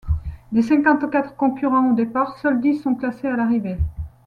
Des cinquante-quatre concurrents au départ, seuls dix sont classés à l'arrivée.